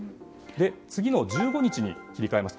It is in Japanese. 次の１５日に切り替えます。